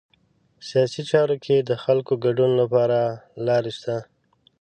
په سیاسي چارو کې د خلکو د ګډون لپاره لارې شته.